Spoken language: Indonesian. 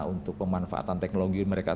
untuk pemanfaatan teknologi mereka